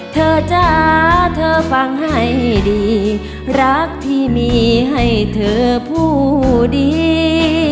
เธอจะเอาเธอฟังให้ดีรักที่มีให้เธอพูดดี